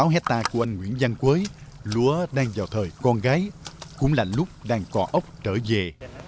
sáu hectare của anh nguyễn văn quế lúa đang vào thời con gái cũng là lúc đàn cò ốc trở về